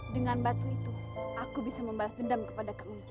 dengan batu itu aku bisa membalas dendam kepada kang ujang